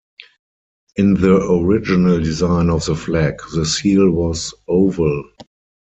In the original design of the flag, the seal was oval.